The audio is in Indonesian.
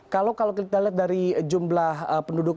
kalau kita lihat dari jumlah penduduk